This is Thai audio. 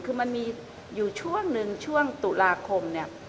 คือมันมีอยู่ช่วงหนึ่งช่วงตุลาคมเนี่ย